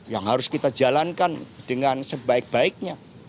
yang harus kita jalankan dengan sebaik baiknya